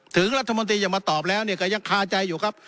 ถึงรัฐมนตรีจะมาตอบแล้วเนี่ยก็ยังคาใจอยู่ครับ